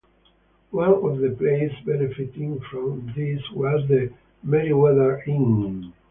One of the places benefiting from this was the Meriwether Inn.